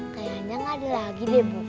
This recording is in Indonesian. kayaknya gak ada lagi deh bu